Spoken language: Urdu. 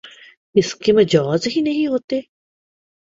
اس کے مجاز ہی نہیں ہوتے